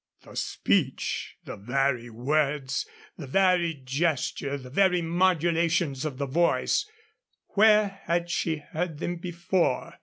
The speech, the very words, the very gesture, the very modulations of the voice where had she heard them before?